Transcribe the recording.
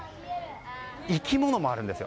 生き物もあるんですよ。